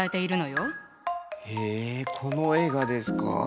へえこの絵がですか？